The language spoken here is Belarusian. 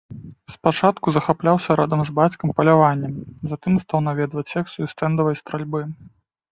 Спачатку захапляўся разам з бацькам паляваннем, затым стаў наведваць секцыю стэндавай стральбы.